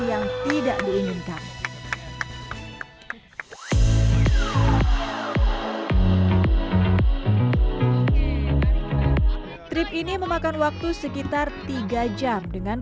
yang tidak diinginkan